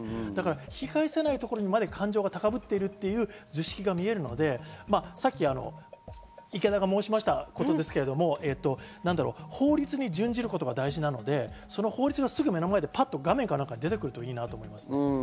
引き返せないところまで感情が高ぶっているという図式が見えるので、さっき池田が申しましたことですけど、法律に準じることが大事なので、その法律がすぐ目の前でパッと画面なんかに出てくるといいなと思います。